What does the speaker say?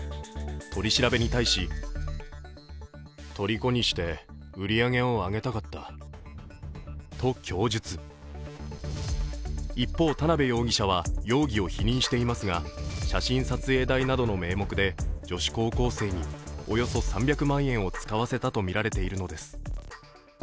取り調べに対しと供述、一方、田辺容疑者は容疑を否認していますが写真撮影代などの名目で女子高校生におよそ３００万円を使わせたとみられているのです。